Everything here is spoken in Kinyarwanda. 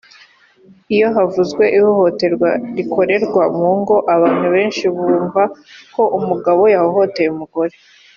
Iyo havuzwe ihohoterwa rikorerwa mu ngo abantu benshi bumva ko umugabo yahohoteye umugore